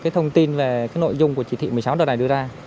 cái thông tin về cái nội dung của chỉ thị một mươi sáu đợt này đưa ra